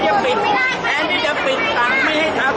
อาหรับเชี่ยวจามันไม่มีควรหยุด